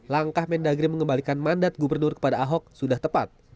langkah mendagri mengembalikan mandat gubernur kepada ahok sudah tepat